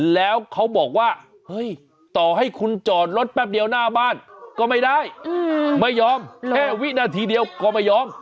แล้วเขาบอกว่าเฮ้ยต่อให้คุณจอดรถแป๊บเดียวหน้าบ้านก็ไม่ได้ไม่ยอมแค่วินาทีเดียวก็ไม่ยอม